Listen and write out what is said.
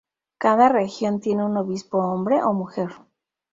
Cada región tiene un obispo hombre o mujer.